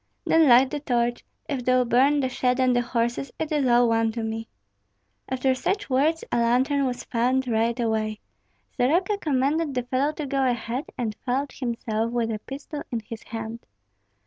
"Then light the torch; if thou burn the shed and the horses, it is all one to me." After such words a lantern was found right away. Soroka commanded the fellow to go ahead, and followed himself with a pistol in his hand.